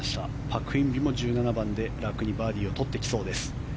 パク・インビも１７番で楽にバーディーを取ってきそうです。